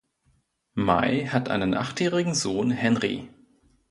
May hat einen achtjährigen Sohn, Henry.